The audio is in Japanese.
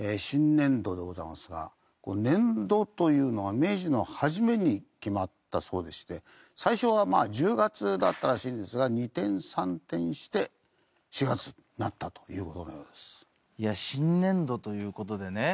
新年度でございますが年度というのは明治の初めに決まったそうでして最初は１０月だったらしいんですが二転三転して４月になったという事のようです。